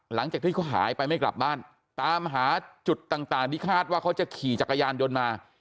หลังจากที่เขาหายไปไม่กลับบ้านตามหาจุดต่างที่คาดว่าเขาจะขี่จักรยานยนต์มา